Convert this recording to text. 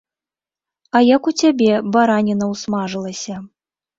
А як у цябе бараніна ўсмажылася?